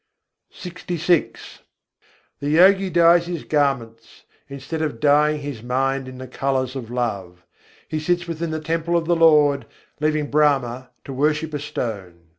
LXVI I. 20. man na rangâye The Yogi dyes his garments, instead of dyeing his mind in the colours of love: He sits within the temple of the Lord, leaving Brahma to worship a stone.